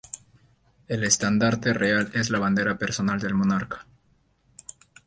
El estandarte real es la bandera personal del monarca.